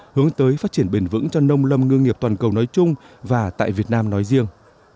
hướng tới phát triển bền vững cho nông lâm ngư nghiệp toàn cầu nói chung và tại việt nam nói riêng